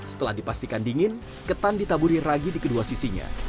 setelah dipastikan dingin ketan ditaburi ragi di kedua sisinya